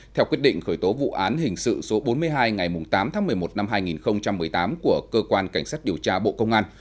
theo quyết định khởi tố vụ án hình sự số bốn mươi hai ngày tám tháng một mươi một năm hai nghìn một mươi tám của cơ quan cảnh sát điều tra bộ công an